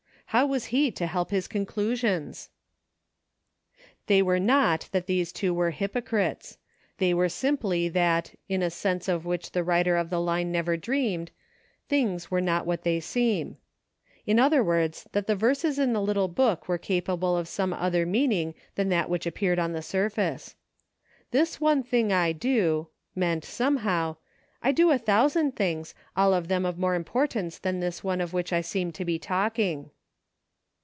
How was he to help his conclu sions ? They were not that these two were hypocrites ; they were simply that, in a sense of which the writer of the line never dreamed, " things are not what they seem." In other words, that the verses in the little book were capable of some other meaning than that which appeared on the surface. " This one thing I do," meant, somehow, "I do a thousand things, all of them of more importance than this one of which I seem to be talking."